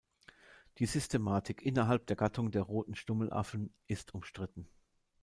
Die Systematik innerhalb der Gattung der Roten Stummelaffen ist umstritten.